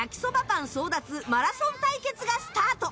パン争奪マラソン対決がスタート！